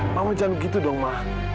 mama jangan begitu dong mah